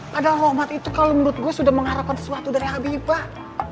padahal hormat itu kalau menurut gue sudah mengharapkan sesuatu dari habibah